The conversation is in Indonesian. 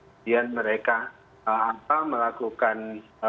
kemudian mereka melakukan